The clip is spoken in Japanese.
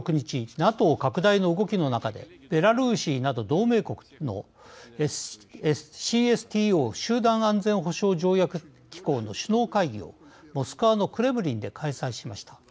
ＮＡＴＯ拡大の動きの中でベラルーシなど同盟国のＣＳＴＯ集団安全保障条約機構の首脳会議をモスクワのクレムリンで開催しました。